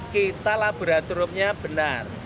kita laboratoriumnya benar